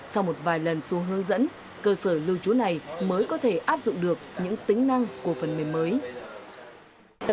sau một vài lần xuống hướng dẫn cơ sở lưu trú này mới có thể áp dụng được những tính năng của phần mềm mới